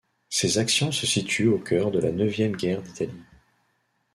Ces actions se situent au cœur de la neuvième guerre d'Italie.